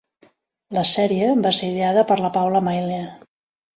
La sèrie va ser ideada per la Paula Milne.